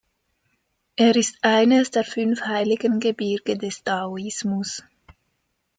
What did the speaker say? Er ist eines der fünf heiligen Gebirge des Daoismus.